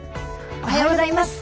おはようございます。